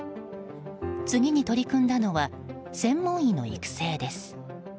次に取り組んだのは専門医の育成です。